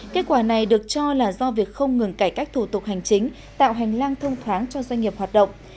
kết quả này được cho là do việc không ngừng cải cách thủ tục hành chính tạo hành lang thông thoáng cho doanh nghiệp hoạt động